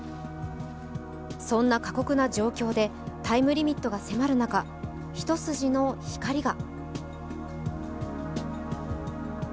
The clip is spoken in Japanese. そんな過酷な状況でタイムリミットが迫る中、一筋の光が。